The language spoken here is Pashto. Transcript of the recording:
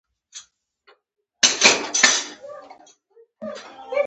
د هر هیواد خلک هلته کار کوي.